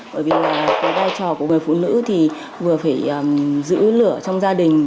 bởi vì là cái vai trò của người phụ nữ thì vừa phải giữ lửa trong gia đình